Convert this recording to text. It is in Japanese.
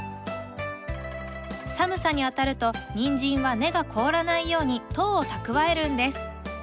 寒さにあたるとニンジンは根が凍らないように糖を蓄えるんです。